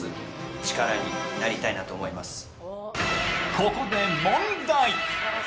ここで問題。